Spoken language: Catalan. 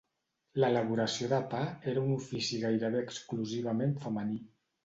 L'elaboració de pa era un ofici gairebé exclusivament femení.